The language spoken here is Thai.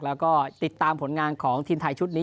แล้วก็ติดตามผลงานของทีมไทยชุดนี้